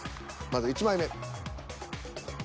まず１枚目。